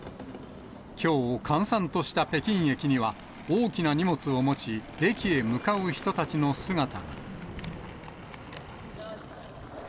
きょう、閑散とした北京駅には、大きな荷物を持ち、駅へ向かう人たちの姿が。